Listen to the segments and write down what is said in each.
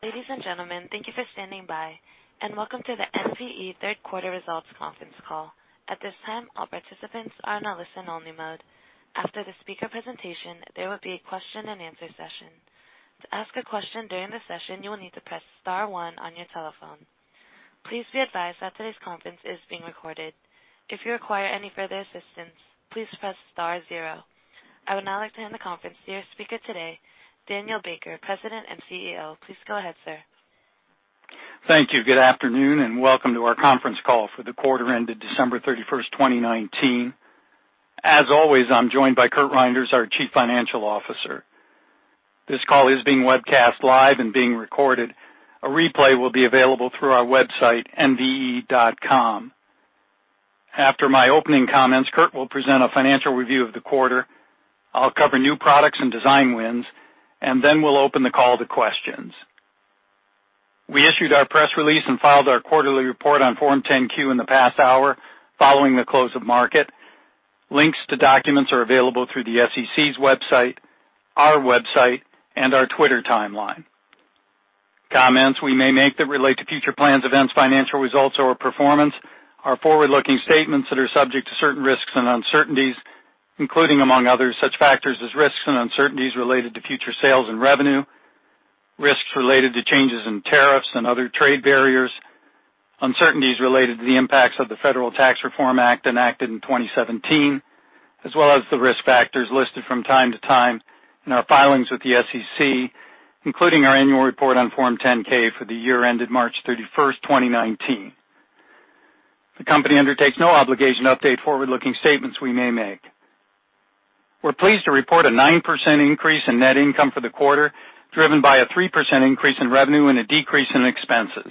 Ladies and gentlemen, thank you for standing by, and welcome to the NVE Third Quarter Results Conference Call. At this time, all participants are in a listen only mode. After the speaker presentation, there will be a question-and-answer session. To ask a question during the session, you will need to press star one on your telephone. Please be advised that today's conference is being recorded. If you require any further assistance, please press star zero. I would now like to hand the conference to your speaker today, Daniel Baker, President and CEO. Please go ahead, sir. Thank you. Good afternoon, welcome to our conference call for the quarter ended December 31, 2019. As always, I'm joined by Curt Reynders, our Chief Financial Officer. This call is being webcast live and being recorded. A replay will be available through our website, nve.com. After my opening comments, Curt will present a financial review of the quarter. I'll cover new products and design wins, and then we'll open the call to questions. We issued our press release and filed our quarterly report on Form 10-Q in the past hour, following the close of market. Links to documents are available through the SEC's website, our website, and our Twitter timeline. Comments we may make that relate to future plans, events, financial results, or performance are forward-looking statements that are subject to certain risks and uncertainties, including, among others, such factors as risks and uncertainties related to future sales and revenue, risks related to changes in tariffs and other trade barriers, uncertainties related to the impacts of the Federal Tax Reform Act enacted in 2017, as well as the risk factors listed from time to time in our filings with the SEC, including our annual report on Form 10-K for the year ended March 31st, 2019. The company undertakes no obligation to update forward-looking statements we may make. We're pleased to report a 9% increase in net income for the quarter, driven by a 3% increase in revenue and a decrease in expenses.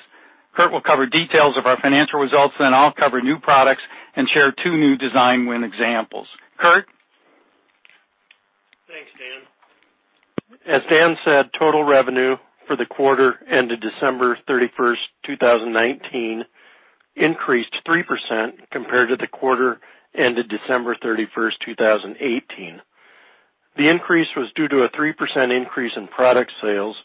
Curt will cover details of our financial results, then I'll cover new products and share two new design win examples. Curt? Thanks, Dan. As Dan said, total revenue for the quarter ended December 31st, 2019 increased 3% compared to the quarter ended December 31st, 2018. The increase was due to a 3% increase in product sales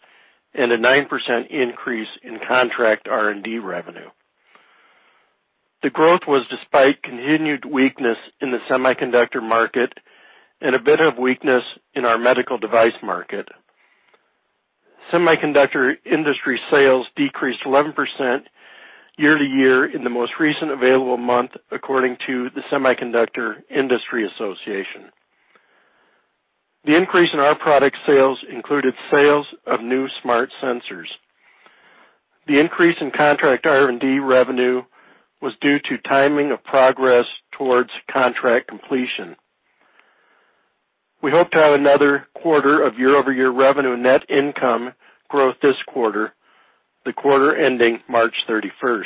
and a 9% increase in contract R&D revenue. The growth was despite continued weakness in the semiconductor market and a bit of weakness in our medical device market. Semiconductor industry sales decreased 11% year-over-year in the most recent available month, according to the Semiconductor Industry Association. The increase in our product sales included sales of new Smart Sensors. The increase in contract R&D revenue was due to timing of progress towards contract completion. We hope to have another quarter of year-over-year revenue net income growth this quarter, the quarter ending March 31st.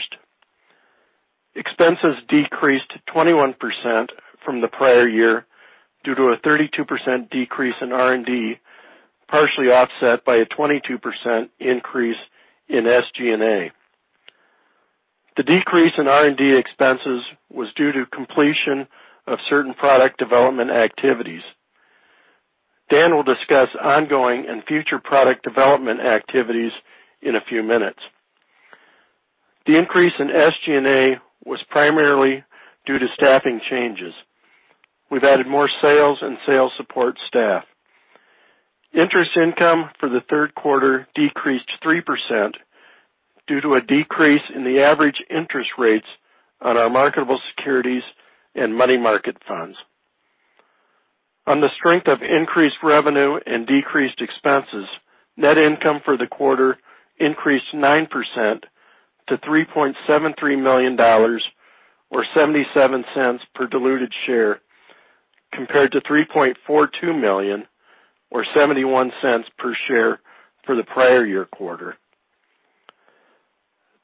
Expenses decreased 21% from the prior year due to a 32% decrease in R&D, partially offset by a 22% increase in SG&A. The decrease in R&D expenses was due to completion of certain product development activities. Dan will discuss ongoing and future product development activities in a few minutes. The increase in SG&A was primarily due to staffing changes. We've added more sales and sales support staff. Interest income for the third quarter decreased 3% due to a decrease in the average interest rates on our marketable securities and money market funds. On the strength of increased revenue and decreased expenses, net income for the quarter increased 9% to $3.73 million, or $0.77 per diluted share, compared to $3.42 million, or $0.71 per share for the prior year quarter.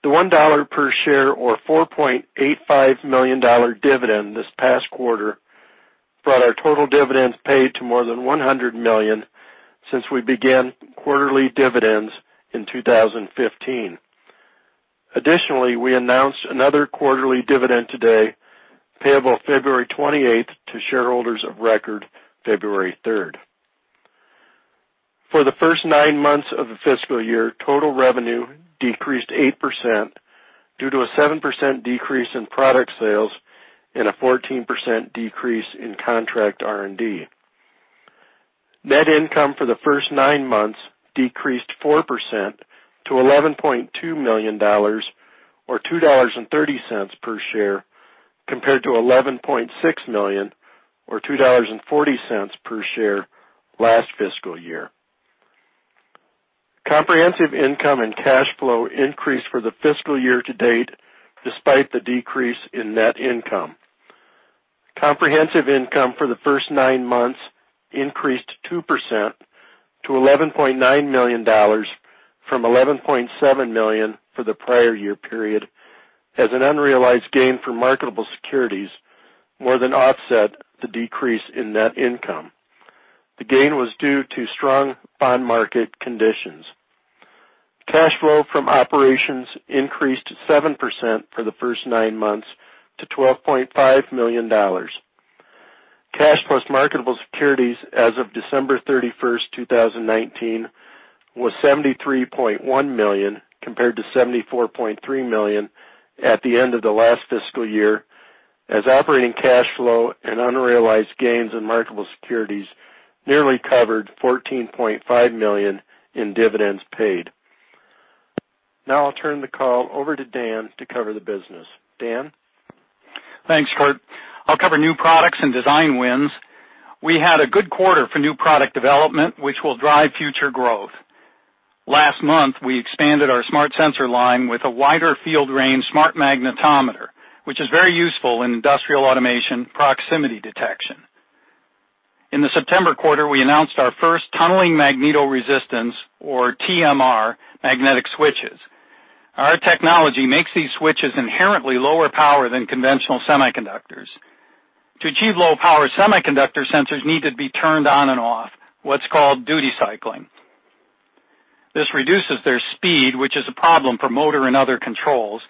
The $1 per share, or $4.85 million dividend this past quarter brought our total dividends paid to more than $100 million since we began quarterly dividends in 2015. Additionally, we announced another quarterly dividend today, payable February 28th to shareholders of record February 3rd. For the first nine months of the fiscal year, total revenue decreased 8% due to a 7% decrease in product sales and a 14% decrease in contract R&D. Net income for the first nine months decreased 4% to $11.2 million, or $2.30 per share, compared to $11.6 million, or $2.40 per share, last fiscal year. Comprehensive income and cash flow increased for the fiscal year to date despite the decrease in net income. Comprehensive income for the first nine months increased 2% to $11.9 million from $11.7 million for the prior year period as an unrealized gain for marketable securities more than offset the decrease in net income. The gain was due to strong bond market conditions. Cash flow from operations increased 7% for the first nine months to $12.5 million. Cash plus marketable securities as of December 31st, 2019, was $73.1 million, compared to $74.3 million at the end of the last fiscal year, as operating cash flow and unrealized gains in marketable securities nearly covered $14.5 million in dividends paid. I'll turn the call over to Dan to cover the business. Dan? Thanks, Curt. I'll cover new products and design wins. Last month, we expanded our Smart Sensors line with a wider field range Smart Magnetometer, which is very useful in industrial automation proximity detection. In the September quarter, we announced our first tunneling magnetoresistance, or TMR, magnetic switches. Our technology makes these switches inherently lower power than conventional semiconductors. To achieve low-power semiconductor sensors need to be turned on and off, what's called duty cycling. This reduces their speed, which is a problem for motor and other controls,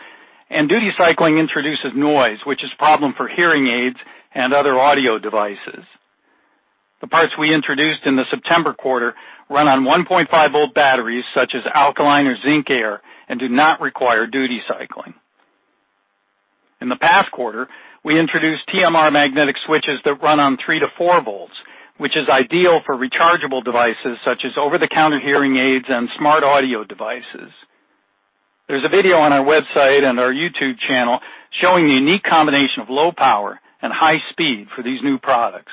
and duty cycling introduces noise, which is a problem for hearing aids and other audio devices. The parts we introduced in the September quarter run on 1.5-volt batteries such as alkaline or zinc-air, and do not require duty cycling. In the past quarter, we introduced TMR magnetic switches that run on three to four volts, which is ideal for rechargeable devices such as over-the-counter hearing aids and smart audio devices. There's a video on our website and our YouTube channel showing the unique combination of low power and high speed for these new products.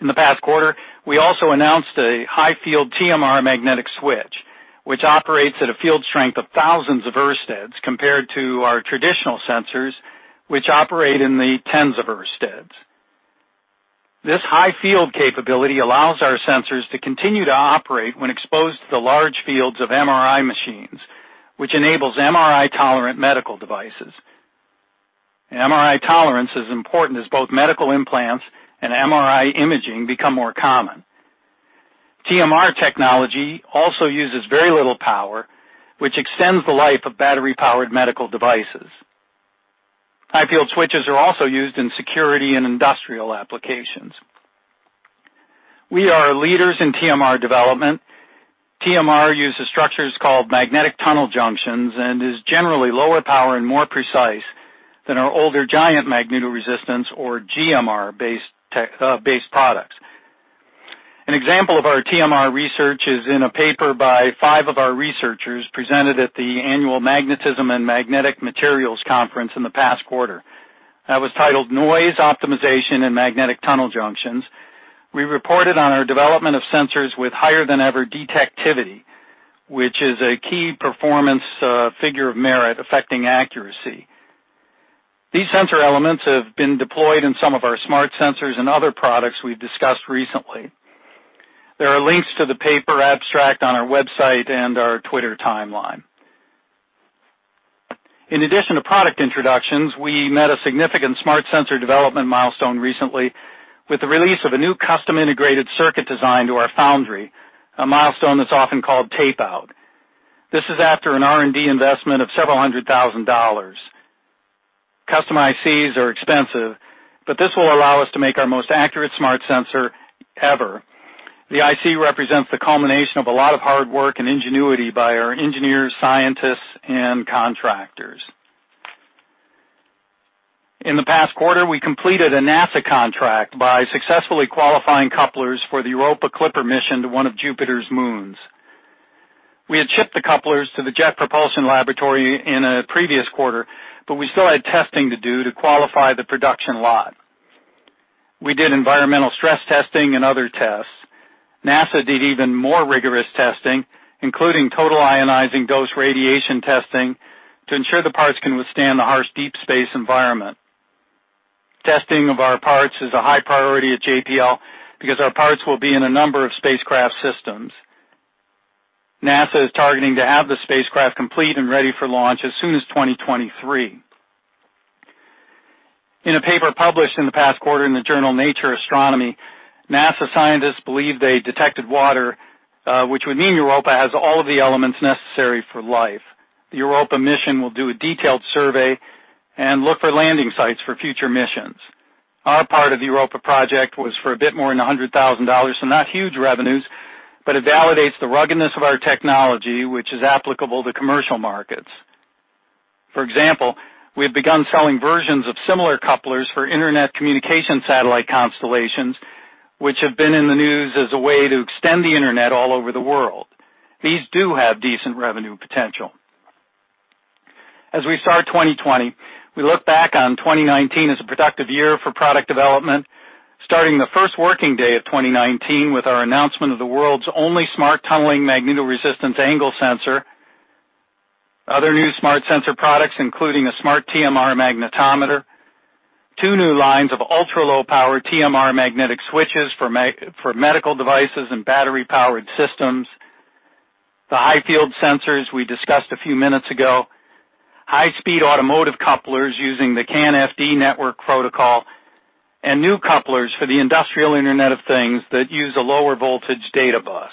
In the past quarter, we also announced a high field TMR magnetic switch, which operates at a field strength of thousands of oersteds compared to our traditional sensors, which operate in the tens of oersteds. This high field capability allows our sensors to continue to operate when exposed to the large fields of MRI machines, which enables MRI-tolerant medical devices. MRI tolerance is important, as both medical implants and MRI imaging become more common. TMR technology also uses very little power, which extends the life of battery-powered medical devices. High-field switches are also used in security and industrial applications. We are leaders in TMR development. TMR uses structures called magnetic tunnel junctions and is generally lower power and more precise than our older giant magnetoresistance, or GMR-based products. An example of our TMR research is in a paper by five of our researchers, presented at the Annual Magnetism and Magnetic Materials Conference in the past quarter, that was titled "Noise Optimization in Magnetic Tunnel Junctions." We reported on our development of sensors with higher than ever detectivity, which is a key performance figure of merit affecting accuracy. These sensor elements have been deployed in some of our Smart Sensors and other products we've discussed recently. There are links to the paper abstract on our website and our Twitter timeline. In addition to product introductions, we met a significant smart sensor development milestone recently with the release of a new custom integrated circuit design to our foundry, a milestone that's often called tape-out. This is after an R&D investment of several hundred thousand dollars. Custom ICs are expensive, but this will allow us to make our most accurate smart sensor ever. The IC represents the culmination of a lot of hard work and ingenuity by our engineers, scientists, and contractors. In the past quarter, we completed a NASA contract by successfully qualifying couplers for the Europa Clipper mission to one of Jupiter's moons. We had shipped the couplers to the Jet Propulsion Laboratory in a previous quarter, but we still had testing to do to qualify the production lot. We did environmental stress testing and other tests. NASA did even more rigorous testing, including Total Ionizing Dose radiation testing, to ensure the parts can withstand the harsh deep space environment. Testing of our parts is a high priority at JPL because our parts will be in a number of spacecraft systems. NASA is targeting to have the spacecraft complete and ready for launch as soon as 2023. In a paper published in the past quarter in the journal "Nature Astronomy," NASA scientists believe they detected water, which would mean Europa has all of the elements necessary for life. The Europa mission will do a detailed survey and look for landing sites for future missions. Our part of the Europa project was for a bit more than $100,000, so not huge revenues, but it validates the ruggedness of our technology, which is applicable to commercial markets. For example, we have begun selling versions of similar couplers for internet communication satellite constellations, which have been in the news as a way to extend the internet all over the world. These do have decent revenue potential. As we start 2020, we look back on 2019 as a productive year for product development, starting the first working day of 2019 with our announcement of the world's only Smart tunneling magnetoresistance angle sensor. Other new Smart Sensor products including a Smart TMR magnetometer, two new lines of ultra-low-power TMR magnetic switches for medical devices and battery-powered systems, the high-field sensors we discussed a few minutes ago, high-speed automotive couplers using the CAN FD network protocol, and new couplers for the industrial Internet of Things that use a lower voltage data bus.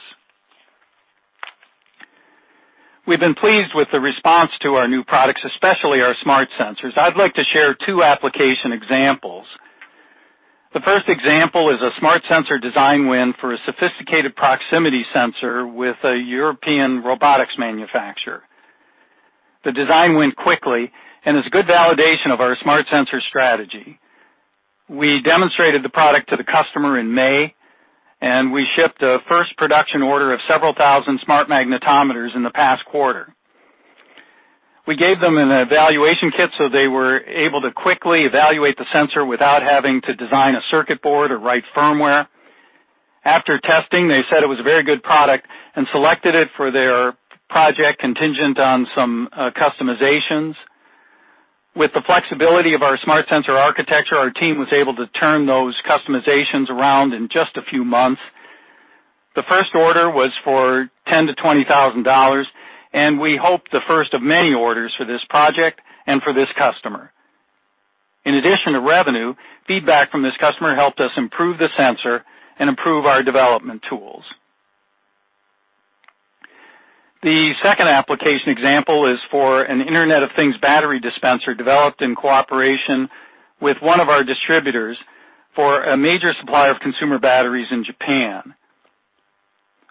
We've been pleased with the response to our new products, especially our Smart Sensors. I'd like to share two application examples. The first example is a Smart Sensor design win for a sophisticated proximity sensor with a European robotics manufacturer. The design went quickly and is good validation of our Smart Sensor strategy. We demonstrated the product to the customer in May, and we shipped a first production order of several thousand Smart Magnetometers in the past quarter. We gave them an evaluation kit so they were able to quickly evaluate the sensor without having to design a circuit board or write firmware. After testing, they said it was a very good product and selected it for their project contingent on some customizations. With the flexibility of our Smart Sensor architecture, our team was able to turn those customizations around in just a few months. The first order was for $10,000 to $20,000, and we hope the first of many orders for this project and for this customer. In addition to revenue, feedback from this customer helped us improve the sensor and improve our development tools. The second application example is for an Internet of Things battery dispenser developed in cooperation with one of our distributors for a major supplier of consumer batteries in Japan.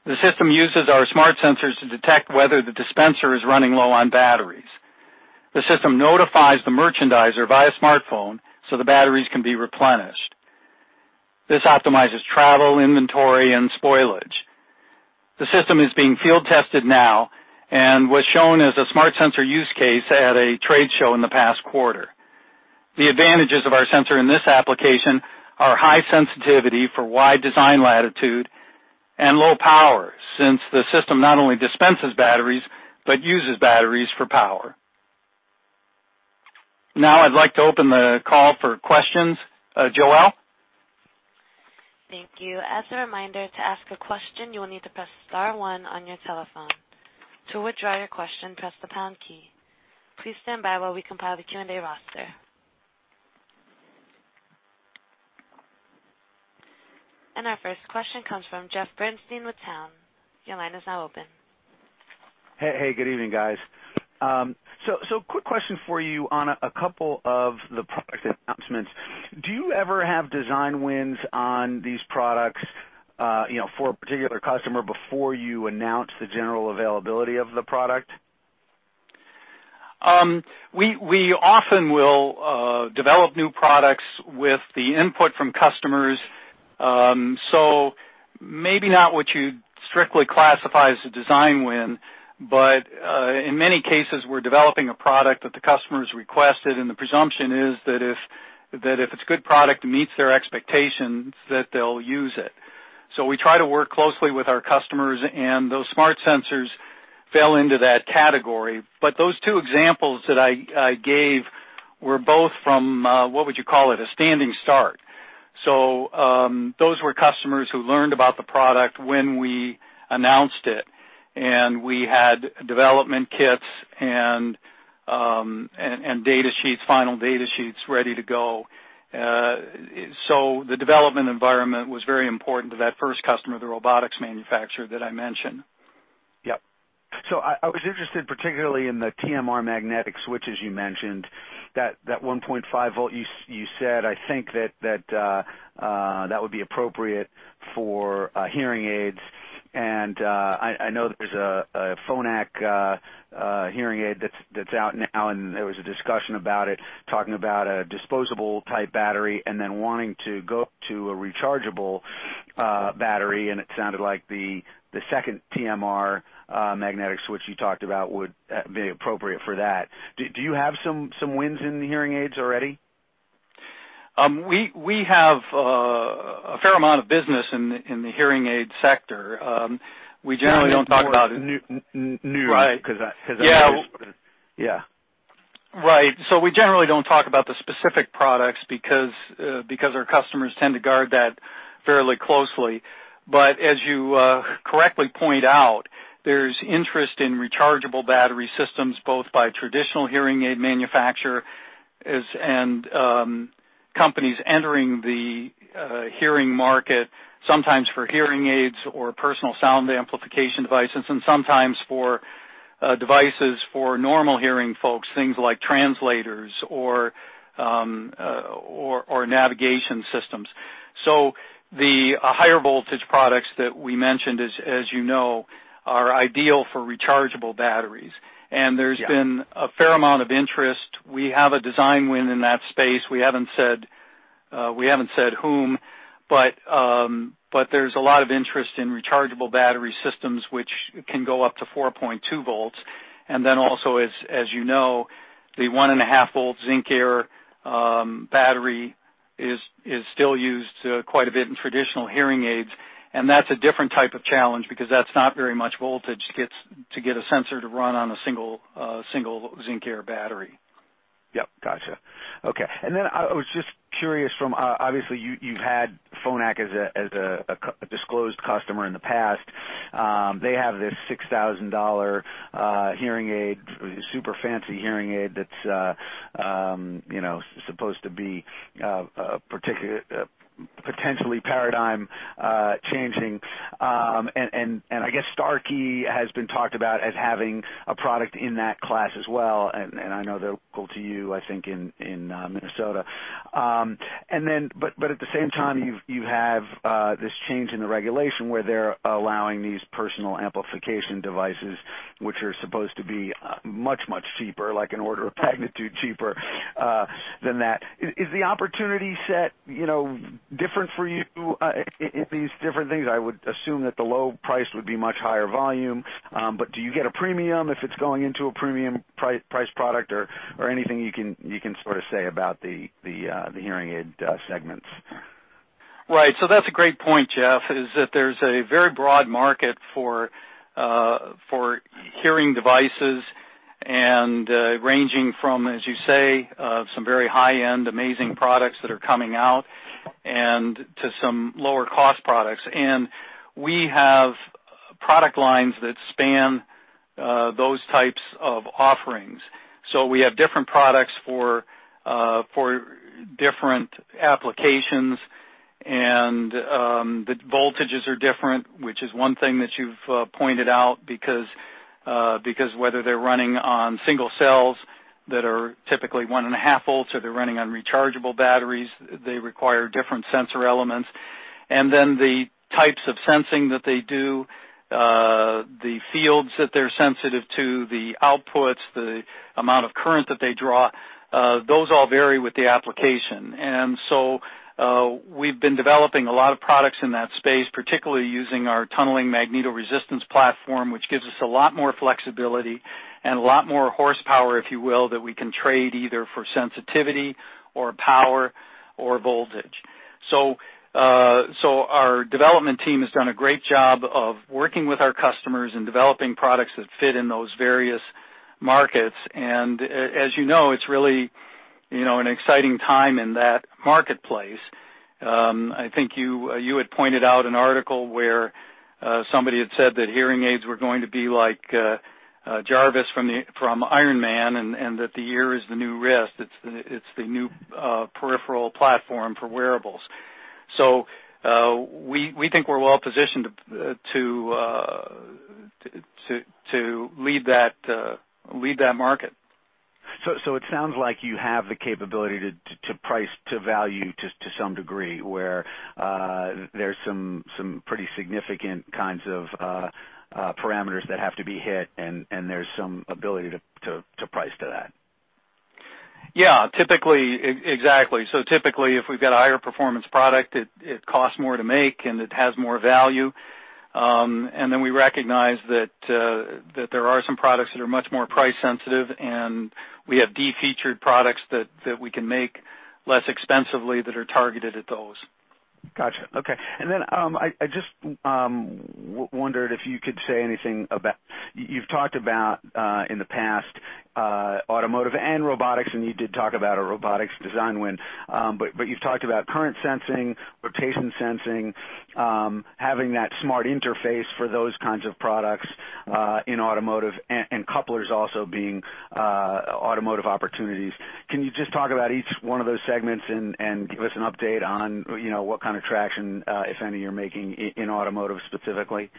The system uses our Smart Sensors to detect whether the dispenser is running low on batteries. The system notifies the merchandiser via smartphone so the batteries can be replenished. This optimizes travel, inventory, and spoilage. The system is being field-tested now and was shown as a Smart Sensor use case at a trade show in the past quarter. The advantages of our sensor in this application are high sensitivity for wide design latitude and low power, since the system not only dispenses batteries but uses batteries for power. I'd like to open the call for questions. Joelle? Thank you. As a reminder, to ask a question, you will need to press star one on your telephone. To withdraw your question, press the pound key. Please stand by while we compile the Q&A roster. Our first question comes from Jeff Bernstein with Cowen. Your line is now open. Hey, good evening, guys. Quick question for you on a couple of the product announcements. Do you ever have design wins on these products for a particular customer before you announce the general availability of the product? We often will develop new products with the input from customers. Maybe not what you'd strictly classify as a design win, but in many cases, we're developing a product that the customer's requested, and the presumption is that if it's a good product, it meets their expectations that they'll use it. We try to work closely with our customers, and those Smart Sensors fell into that category. Those two examples that I gave were both from, what would you call it, a standing start. Those were customers who learned about the product when we announced it, and we had development kits and final data sheets ready to go. The development environment was very important to that first customer, the robotics manufacturer that I mentioned. Yep. I was interested, particularly in the TMR magnetic switches you mentioned, that 1.5 volt you said, I think that would be appropriate for hearing aids. I know there's a Phonak hearing aid that's out now, and there was a discussion about it, talking about a disposable type battery and then wanting to go to a rechargeable battery, and it sounded like the second TMR magnetic switch you talked about would be appropriate for that. Do you have some wins in hearing aids already? We have a fair amount of business in the hearing aid sector. We generally don't talk about. New, because that- Right. Yeah. Right. We generally don't talk about the specific products because our customers tend to guard that fairly closely. As you correctly point out, there's interest in rechargeable battery systems, both by traditional hearing aid manufacturers and companies entering the hearing market, sometimes for hearing aids or personal sound amplification devices, and sometimes for devices for normal hearing folks, things like translators or navigation systems. The higher voltage products that we mentioned, as you know, are ideal for rechargeable batteries. Yeah. There's been a fair amount of interest. We have a design win in that space. We haven't said whom, but there's a lot of interest in rechargeable battery systems, which can go up to 4.2 volts. Also, as you know, the one and a half volt zinc-air battery is still used quite a bit in traditional hearing aids, and that's a different type of challenge because that's not very much voltage to get a sensor to run on a single zinc-air battery. Yep. Gotcha. Okay. I was just curious from, obviously, you've had Phonak as a disclosed customer in the past. They have this $6,000 hearing aid, super fancy hearing aid that's supposed to be potentially paradigm changing. I guess Starkey has been talked about as having a product in that class as well, I know they're local to you, I think, in Minnesota. At the same time, you have this change in the regulation where they're allowing these personal amplification devices, which are supposed to be much, much cheaper, like an order of magnitude cheaper than that. Is the opportunity set different for you in these different things? I would assume that the low price would be much higher volume. Do you get a premium if it's going into a premium price product or anything you can sort of say about the hearing aid segments? Right. That's a great point, Jeff, is that there's a very broad market for hearing devices and ranging from, as you say, some very high-end, amazing products that are coming out and to some lower cost products. We have product lines that span those types of offerings. We have different products for different applications, and the voltages are different, which is one thing that you've pointed out because whether they're running on single cells that are typically one and a half volts, or they're running on rechargeable batteries, they require different sensor elements. The types of sensing that they do, the fields that they're sensitive to, the outputs, the amount of current that they draw, those all vary with the application. We've been developing a lot of products in that space, particularly using our tunneling magnetoresistance, which gives us a lot more flexibility and a lot more horsepower, if you will, that we can trade either for sensitivity or power or voltage. Our development team has done a great job of working with our customers and developing products that fit in those various markets. As you know, it's really an exciting time in that marketplace. I think you had pointed out an article where somebody had said that hearing aids were going to be like Jarvis from Iron Man, and that the ear is the new wrist. It's the new peripheral platform for wearables. We think we're well positioned to lead that market. It sounds like you have the capability to price to value to some degree, where there's some pretty significant kinds of parameters that have to be hit, and there's some ability to price to that. Yeah. Exactly. Typically, if we've got a higher performance product, it costs more to make, and it has more value. We recognize that there are some products that are much more price sensitive, and we have de-featured products that we can make less expensively that are targeted at those. Got you. Okay. I just wondered if you could say anything about, you've talked about, in the past, automotive and robotics, and you did talk about a robotics design win. You've talked about current sensing, rotation sensing, having that smart interface for those kinds of products, in automotive and couplers also being automotive opportunities. Can you just talk about each one of those segments and give us an update on what kind of traction, if any, you're making in automotive specifically?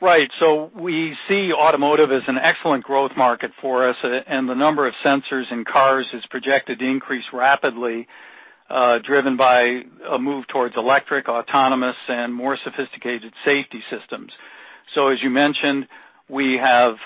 Right. We see automotive as an excellent growth market for us, and the number of sensors in cars is projected to increase rapidly, driven by a move towards electric, autonomous, and more sophisticated safety systems. As you mentioned, we have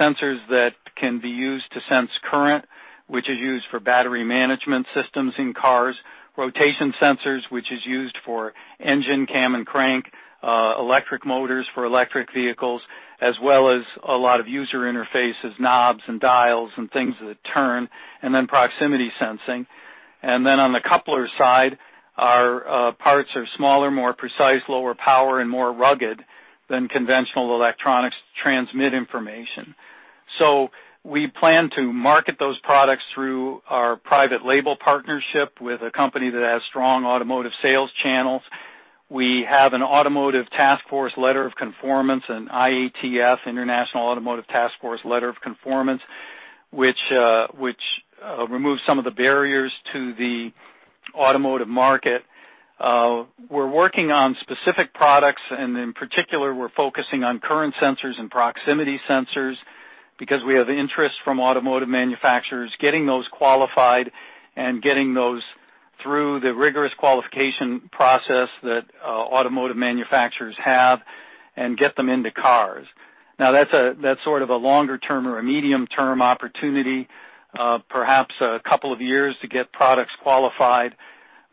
sensors that can be used to sense current, which is used for battery management systems in cars, rotation sensors, which is used for engine cam and crank, electric motors for electric vehicles, as well as a lot of user interfaces, knobs and dials and things that turn, and then proximity sensing. On the coupler side, our parts are smaller, more precise, lower power, and more rugged than conventional electronics transmit information. We plan to market those products through our private label partnership with a company that has strong automotive sales channels. We have an Automotive Task Force letter of conformance, an IATF, International Automotive Task Force letter of conformance, which removes some of the barriers to the automotive market. We're working on specific products, and in particular, we're focusing on current sensors and proximity sensors because we have interest from automotive manufacturers getting those qualified and getting those through the rigorous qualification process that automotive manufacturers have and get them into cars. Now, that's sort of a longer-term or a medium-term opportunity, perhaps a couple of years to get products qualified,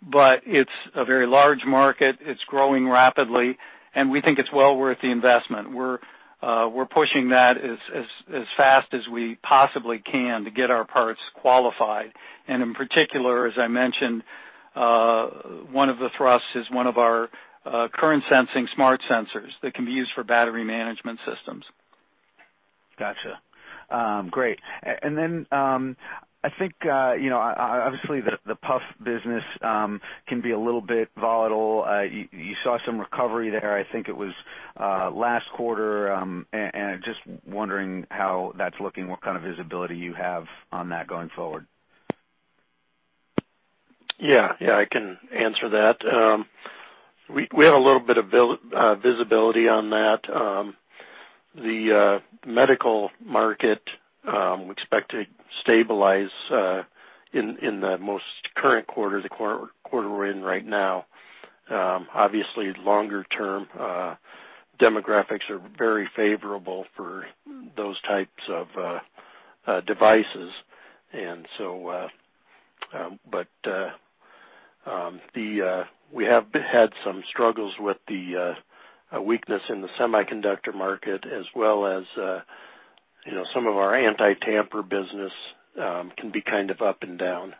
but it's a very large market. It's growing rapidly, and we think it's well worth the investment. We're pushing that as fast as we possibly can to get our parts qualified. In particular, as I mentioned. One of the thrusts is one of our current sensing Smart Sensors that can be used for battery management systems. Got you. Great. Then, I think, obviously, the PUF business can be a little bit volatile. You saw some recovery there, I think it was last quarter, and just wondering how that's looking, what kind of visibility you have on that going forward? Yeah. I can answer that. We have a little bit of visibility on that. The medical market, we expect to stabilize in the most current quarter, the quarter we're in right now. Obviously, longer term demographics are very favorable for those types of devices. We have had some struggles with the weakness in the semiconductor market as well as some of our anti-tamper business can be kind of up and down.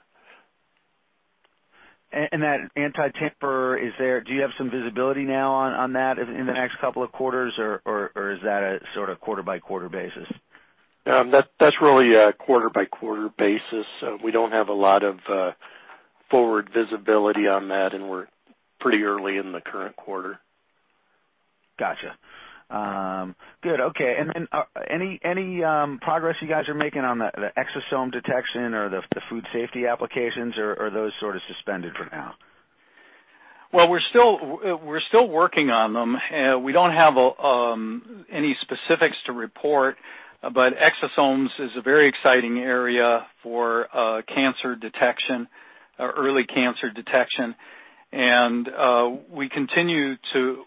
That anti-tamper, do you have some visibility now on that in the next couple of quarters, or is that a sort of quarter-by-quarter basis? That's really a quarter-by-quarter basis. We don't have a lot of forward visibility on that, and we're pretty early in the current quarter. Got you. Good. Okay. Any progress you guys are making on the exosome detection or the food safety applications, or are those sort of suspended for now? Well, we're still working on them. We don't have any specifics to report, but exosomes is a very exciting area for cancer detection, early cancer detection. We continue to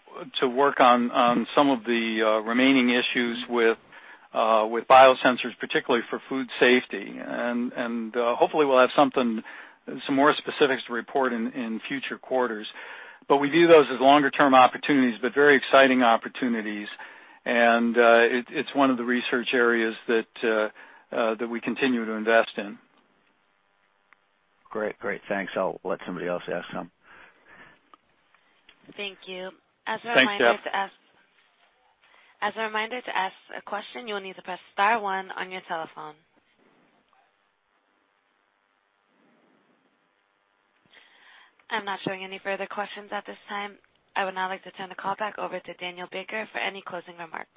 work on some of the remaining issues with biosensors, particularly for food safety. Hopefully we'll have some more specifics to report in future quarters. We view those as longer term opportunities, but very exciting opportunities. It's one of the research areas that we continue to invest in. Great. Thanks. I'll let somebody else ask now. Thank you. Thanks, Jeff. As a reminder, to ask a question, you will need to press star one on your telephone. I'm not showing any further questions at this time. I would now like to turn the call back over to Daniel Baker for any closing remarks.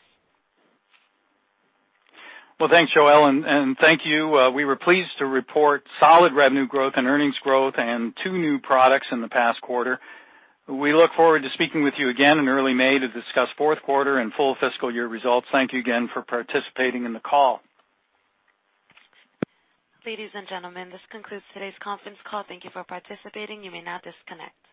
Well, thanks, Joelle, and thank you. We were pleased to report solid revenue growth and earnings growth and two new products in the past quarter. We look forward to speaking with you again in early May to discuss fourth quarter and full fiscal year results. Thank you again for participating in the call. Ladies and gentlemen, this concludes today's conference call. Thank you for participating. You may now disconnect.